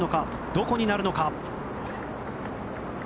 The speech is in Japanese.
どこになるのか。